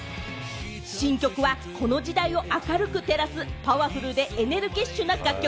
新曲はこの時代を明るく照らす、パワフルでエネルギッシュな楽曲。